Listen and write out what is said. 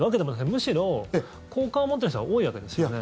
むしろ、好感を持ってる人が多いわけですよね。